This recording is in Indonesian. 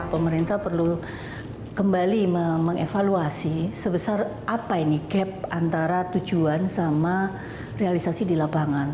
pemerintah perlu kembali mengevaluasi sebesar apa ini gap antara tujuan sama realisasi di lapangan